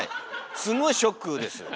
すごいショックです。